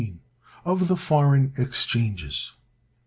Of The Foreign Exchanges.